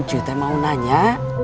cuy teh mau nanya